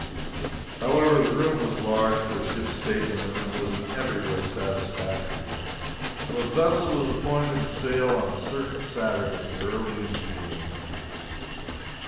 However, the room was large, for a ship's stateroom, and was in every way satisfactory. The vessel was appointed to sail on a certain Saturday early in June.